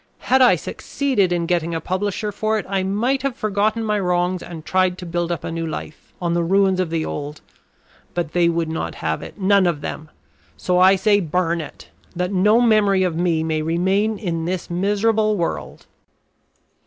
"Had I succeeded in getting a publisher for it I might have forgotten my wrongs and tried to build up a new life on the ruins of the old. But they would not have it, none of them, so I say, burn it! that no memory of me may remain in this miserable world."